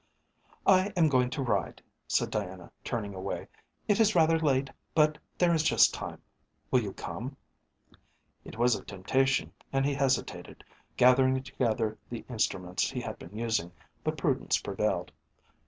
"I am going to ride," said Diana, turning away. "It is rather late, but there is just time. Will you come?" It was a temptation and he hesitated, gathering together the instruments he had been using, but prudence prevailed.